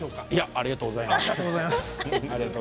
ありがとうございます。